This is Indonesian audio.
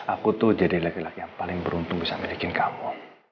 aku tuh jadi laki laki yang paling beruntung bisa milikin kamu